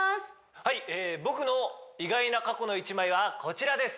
はい僕の意外な過去の１枚はこちらです